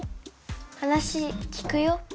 話聞くよ。